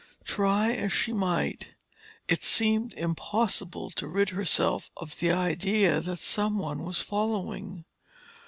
Try as she might, it seemed impossible to rid herself of the idea that someone was following.